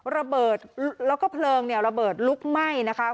ระเบิดแล้วก็เพลิงเนี่ยระเบิดลุกไหม้นะคะ